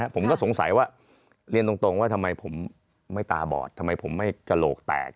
ผมก็สงสัยว่าเรียนตรงว่าทำไมผมไม่ตาบอดทำไมผมไม่กระโหลกแตก